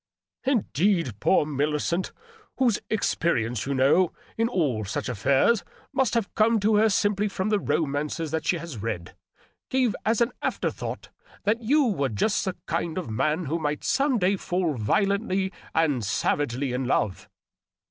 " Indeed, poor Millicent — ^whose expe rience, you know, in all such affairs must have come to her simply from the romances that she has read — ^gave as an after thought that you were just the kind of man who might some day fall violently and sav agely in love."